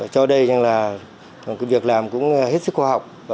cho đây rằng là việc làm cũng hết sức khoa học